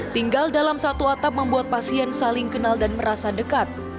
tinggal dalam satu atap membuat pasien saling kenal dan merasa dekat